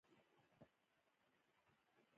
د وېښتیانو چپچپک بدن کمزوری ښکاري.